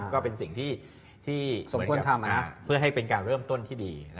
ก็เป็นสิ่งที่สมควรทำเพื่อให้เป็นการเริ่มต้นที่ดี